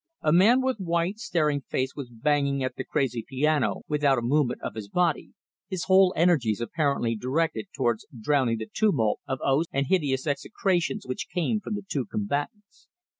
A man with white, staring face was banging at a crazy piano without a movement of his body, his whole energies apparently directed towards drowning the tumult of oaths and hideous execrations which came from the two combatants.